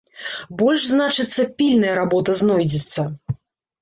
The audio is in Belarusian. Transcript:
Больш, значыцца, пільная работа знойдзецца!